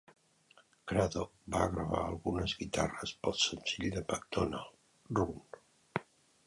Cradock va gravar algunes guitarres pel senzill de Macdonald, "Run".